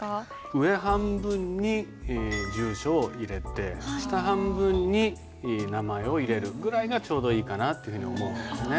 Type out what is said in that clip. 上半分に住所を入れて下半分に名前を入れるぐらいがちょうどいいかなというふうに思うんですね。